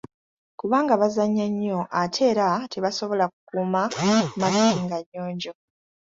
Kubanga bazannya nnyo ate era tebasobola kukuuma masiki nga nnyonjo.